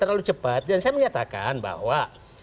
terlalu cepat dan saya menyatakan bahwa